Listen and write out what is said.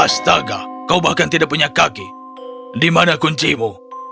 astaga kau bahkan tidak punya kaki dimana kunci mu